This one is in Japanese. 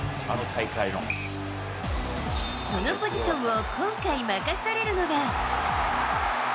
そのポジションを今回任されるのは。